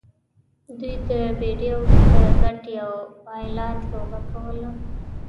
دوی د بیډیو د ګټې او بایلات لوبه کوله.